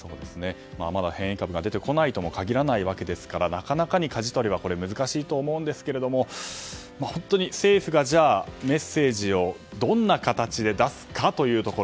まだ変異株が出てこないとも限らないわけですからなかなかに、かじ取りは難しいと思うんですけれども本当に政府がメッセージをどんな形で出すかというところ。